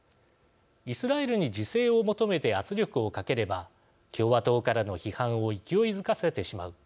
イスラエルに自制を求めて圧力をかければ共和党からの批判を勢いづかせてしまう。